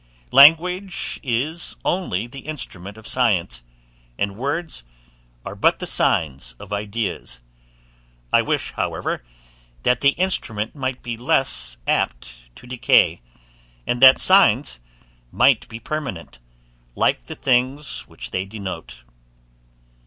Language is only the instrument of science, and words are but the signs of ideas: I wish, however, that the instrument might be less apt to decay, and that signs might be permanent, like the things which they denote.